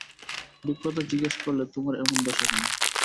বিপ্রদাস জিজ্ঞাসা করলে, তোমার এমন দশা কেন?